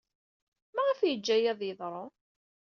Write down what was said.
Maɣef ay yeǧǧa aya ad d-yeḍru?